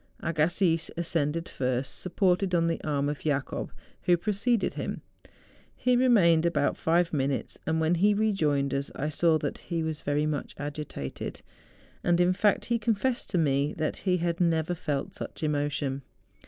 Agassiz ascended first, supported on the arm of Jacob who preceded him. He remained about five minutes, and when he re¬ joined us I saw that he was very much agitated; and, in fact, he confessed to me that he had never felt such emotion.